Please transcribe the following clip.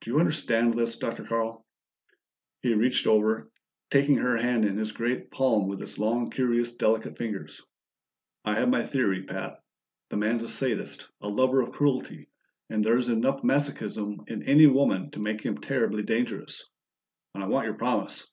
"Do you understand this, Dr. Carl?" He reached over, taking her hand in his great palm with its long, curious delicate fingers. "I have my theory, Pat. The man's a sadist, a lover of cruelty, and there's enough masochism in any woman to make him terribly dangerous. I want your promise."